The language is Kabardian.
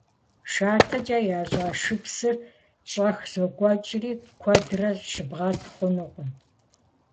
ШатэкӀэ ящӀа шыпсыр щӀэх зокӀуэкӀри, куэдрэ щыбгъэт хъунукъым.